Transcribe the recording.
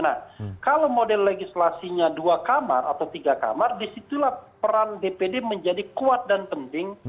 nah kalau model legislasinya dua kamar atau tiga kamar disitulah peran dpd menjadi kuat dan penting